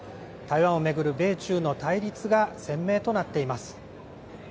台湾を巡る米中の対立が鮮明となっています。